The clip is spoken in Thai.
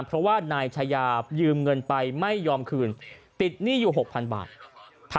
เพราะว่านายชายายืมเงินไปไม่ยอมคืนติดหนี้อยู่๖๐๐๐บาท